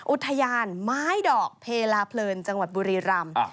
อุทยานไม้ดอกเพลาเพลินจังหวัดบุรีรำ